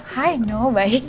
hai no baik